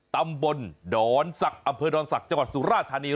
ตำบลดอนศักดิ์อำเภอดอนศักดิ์จังหวัดสุราธานี